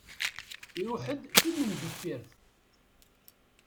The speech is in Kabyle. Iruḥ d timendeffirt.